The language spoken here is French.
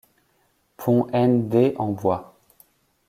Pont N. D. en bois.